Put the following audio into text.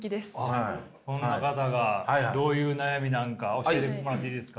そんな方がどういう悩みなのか教えてもらっていいですか。